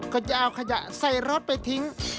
ก็จะเอาขยะใส่รถไปทิ้ง